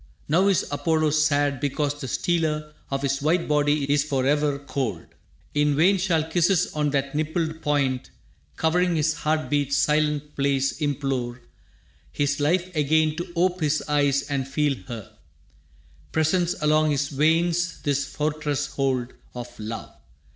Now is Apollo sad because the stealer Of his white body is forever cold. In vain shall kisses on that nippled point Covering his heart beats' silent place implore His life again to ope his eyes and feel her Presence along his veins this fortress hold Of love.